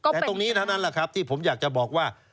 แต่ตรงนี้ทั้งนั้นที่ผมอยากจะบอกว่า